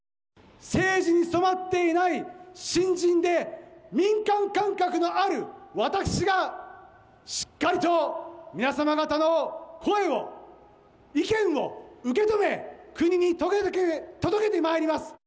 政治に染まっていない新人で、民間感覚のある私が、しっかりと皆様方の声を、意見を受け止め、国に届けてまいります。